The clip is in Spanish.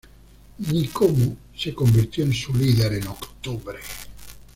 Nkomo se convirtió en su líder en octubre.